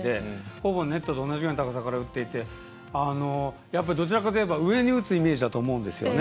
ほぼネットと同じ高さから打っていって、どちらかといえば上に打つイメージだと思うんですよね。